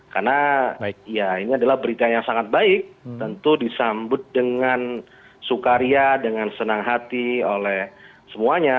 karena ya ini adalah berita yang sangat baik tentu disambut dengan sukaria dengan senang hati oleh semuanya